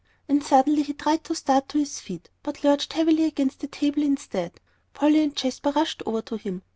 And suddenly he tried to start to his feet, but lurched heavily against the table instead. Polly and Jasper rushed over to him.